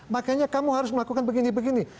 makanya kamu harus melakukan begini begini